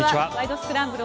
スクランブル」